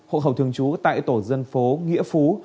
hộ khẩu thương chú tại tổ dân phố nghĩa phú